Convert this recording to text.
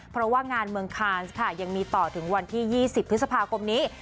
เพราะว่างานเมืองคานส์ค่ะยังมีต่อถึงวันที่๒๐พฤษภาคมนี้